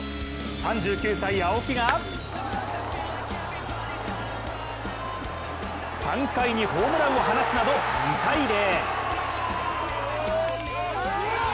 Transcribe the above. ３９歳、青木が３回にホームランを放つなど２−０。